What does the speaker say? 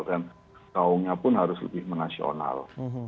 dan daunnya pun harus lebih menasional